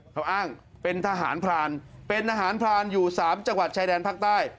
เขาอ้างเป็นทหารพรานเป็นทหารพรานอยู่๓จังหวัดชายแดนภาคใต้